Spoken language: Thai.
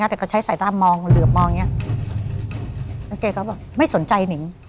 แต่แกไม่สนใจถึง